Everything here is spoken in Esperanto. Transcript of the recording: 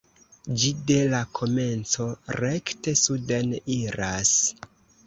Ĝi de la komenco rekte suden iras.